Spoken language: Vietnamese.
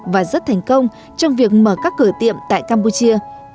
và rất thành công trong việc mở các cửa tiệm tại campuchia